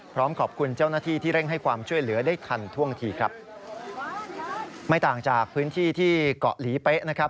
พร้อมขอบคุณเจ้าหน้าที่ที่เร่งให้ความช่วยเหลือได้ทันท่วงทีครับไม่ต่างจากพื้นที่ที่เกาะหลีเป๊ะนะครับ